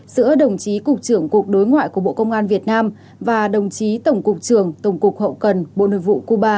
giữa đồng chí cục trưởng cục đối ngoại của bộ công an việt nam và đồng chí tổng cục trường tổng cục hậu cần bộ nội vụ cuba